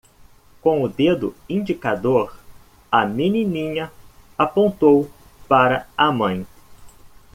Com o dedo indicador?, a menininha apontou para a mãe.